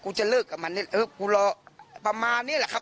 จะเลิกกับมันเนี่ยเออกูรอประมาณนี้แหละครับ